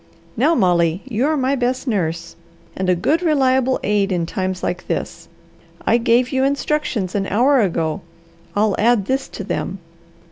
Now Molly, you are my best nurse, and a good reliable aid in times like this. I gave you instructions an hour ago. I'll add this to them.